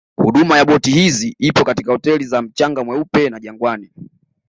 Huduma ya boti hizi ipo katika hoteli za mchanga mweupe na Jangwani